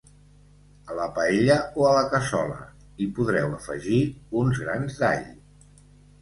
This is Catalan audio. A la paella o a la cassola, hi podreu afegir uns grans d’all.